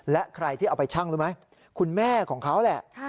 และใครที่เอาไปชั่งรู้ไหมคุณแม่ของเขาแหละ